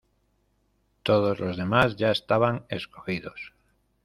Todos los demás ya estaban escogidos.